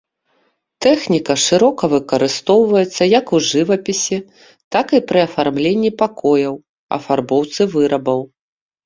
Тэхніка шырока выкарыстоўваецца як у жывапісе, так і пры афармленні пакояў, афарбоўцы вырабаў.